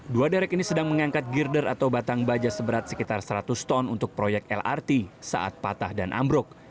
dua derek ini sedang mengangkat girder atau batang baja seberat sekitar seratus ton untuk proyek lrt saat patah dan ambruk